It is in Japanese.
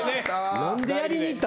何でやりにいった。